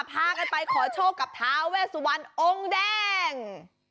พากันไปขอโชคกับทาเวสวันองค์แดง